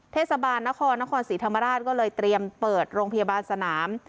เทศบาลนครนครศรีธรรมราชก็เลยเตรียมเปิดโรงพยาบาลสนาม